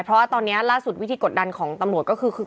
เพราะว่าตอนนี้ล่าสุดวิธีกดดันของตำรวจก็คือ